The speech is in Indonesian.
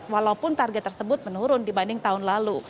walaupun target tersebut menurun dibanding tahun lalu